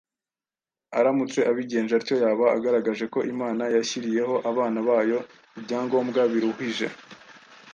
Aramutse abigenje atyo, yaba agaragaje ko Imana yashyiriyeho abana bayo ibyangombwa biruhije